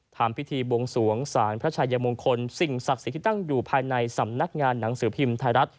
ถามพิธีภรรพระชายมมคลสิ่งศัขศิคกิตั้งอยู่ภายในสำนักงานหนังสือพิมพ์ถ่ายรัฐ